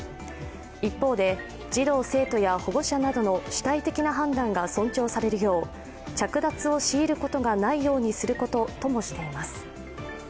一方で児童生徒や保護者などの主体的な判断が尊重されるよう着脱を強いることがないようにすることともしています。